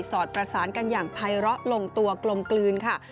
อดประสานกันอย่างภัยเลาะลงตัวกลมกลืนค่ะ